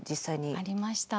ありました。